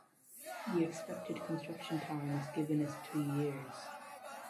The expected construction time is given as three years.